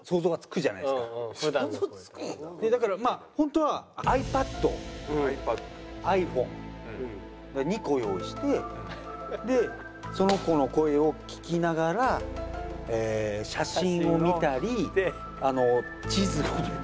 だからまあ本当はｉＰａｄｉＰｈｏｎｅ２個用意してでその子の声を聞きながら写真を見たり地図を見たり。